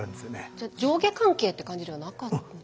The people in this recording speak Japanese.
じゃあ上下関係って感じではなかった？